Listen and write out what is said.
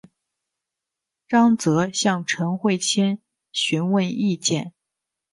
张则向陈惠谦询问意见。